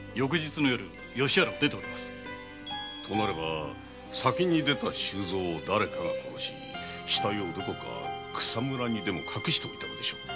となれば先に出た周蔵をだれかが殺し死体をどこか草むらにでも隠しておいたのでしょうか？